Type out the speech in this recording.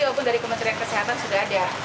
maupun dari kementerian kesehatan sudah ada